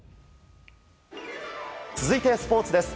続いてスポーツです。